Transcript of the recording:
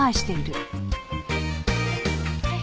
はい。